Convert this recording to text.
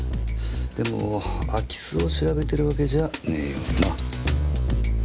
でも空き巣を調べてるわけじゃねえよな？